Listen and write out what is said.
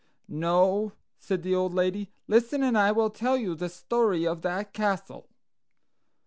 "No," said the old lady. "Listen, and I will tell you the story of that castle."